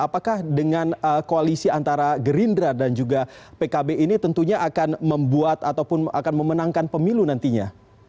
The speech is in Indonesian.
apakah dengan koalisi antara gerindra dan juga pkb ini tentunya akan membuat ataupun akan memenangkan pemilu nantinya